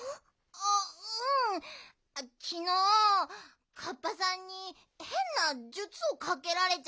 あっうんきのうカッパさんにへんなじゅつをかけられちゃって。